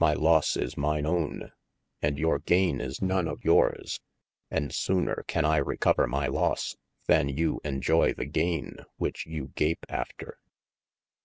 My losse is mine oivne, and your gaine is none of yours, and sooner can I recover my losse, than you enjoye the gaine which you gape after.